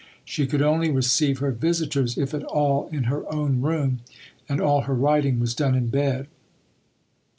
She could only receive her visitors, if at all, in her own room, and all her writing was done in bed.